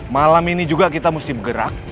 malam ini juga kita mesti bergerak